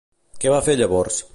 Què va fer llavors?